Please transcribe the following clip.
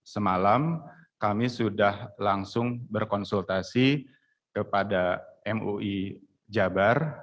semalam kami sudah langsung berkonsultasi kepada mui jabar